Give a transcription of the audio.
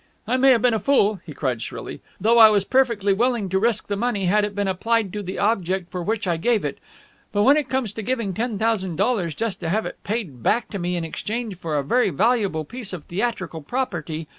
"I may have been a fool," he cried shrilly, "though I was perfectly willing to risk the money had it been applied to the object for which I gave it. But when it comes to giving ten thousand dollars just to have it paid back to me in exchange for a very valuable piece of theatrical property